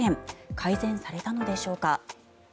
改善されたのでしょうか。